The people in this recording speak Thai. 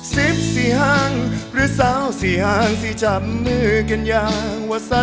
สิบสี่ห้างหรือเศร้าสี่ห้างสี่จับมือกันอย่างว่าสันวา